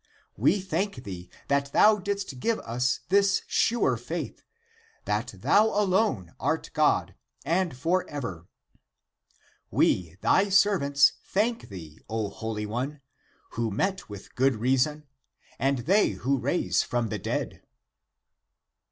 We thank thee, that thou didst give us this sure < faith >, that thou alone art God, and, for ever. We, thy servants, thank thee, O Holy One, ACTS OF JOHN 175 who met with (good) reason, and they who raise (from the dead).